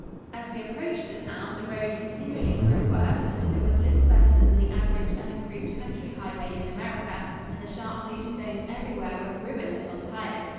As we approached the town, the road continually grew worse until it was little better than the average unimproved country highway in America, and the sharp loose stones everywhere were ruinous on tires.